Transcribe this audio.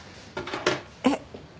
えっ。